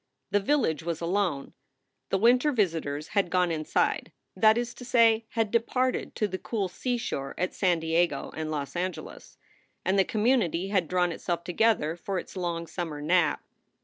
The village was alone. The winter visitors had "gone inside" that is to say, had departed to the cool seashore at San Diego and Los Angeles and the community had drawn itself together for its long summer nap.